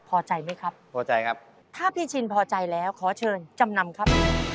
พอใจไหมครับพอใจครับถ้าพี่ชินพอใจแล้วขอเชิญจำนำครับ